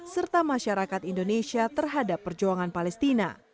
serta masyarakat indonesia terhadap perjuangan palestina